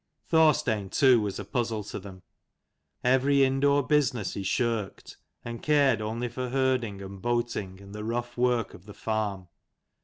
Thorstein too was a puzzle to them. Every indoor business he shirked, and cared only for herding and boating and the rough work of the farm.